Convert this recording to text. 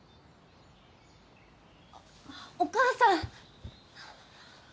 あっお母さん。